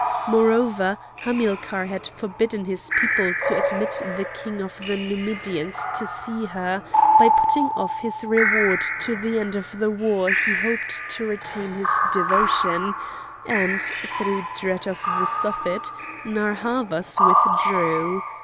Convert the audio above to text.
Moreover, Hamilcar had forbidden his people to admit the King of the Numidians to see her; by putting off his reward to the end of the war he hoped to retain his devotion;—and, through dread of the Suffet, Narr' Havas withdrew.